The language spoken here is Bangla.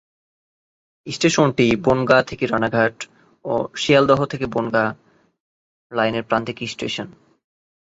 স্টেশনটি বনগাঁ-রানাঘাট ও শিয়ালদাহ-বনগাঁ লাইনের প্রান্তিক স্টেশন।